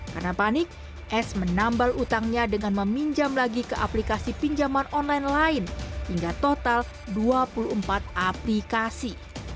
karena panik s menambal utangnya dengan meminjam lagi ke aplikasi pinjaman online lain hingga total dua puluh empat aplikasi